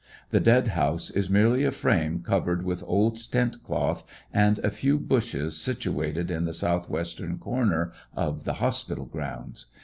The dead house is merely a frame covered with old tent cloth and a few bushes, situated in the southwestern corner of the hospital grounds.